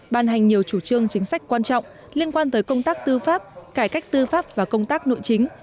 ban hành nhiều chủ trương chính sách quan trọng liên quan tới công tác tư pháp cải cách tư pháp và công tác nội chính